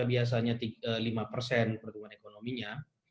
biasanya lima persen pertumbuhan ekonominya